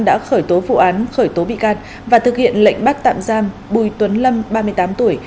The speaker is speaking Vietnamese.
đã khởi tố vụ án khởi tố bị can và thực hiện lệnh bắt tạm giam bùi tuấn lâm ba mươi tám tuổi